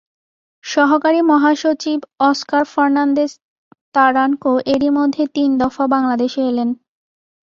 সহকারী মহাসচিব Oscar Fernandez Taranco এরই মধ্যে তিন দফা বাংলাদেশে এলেন।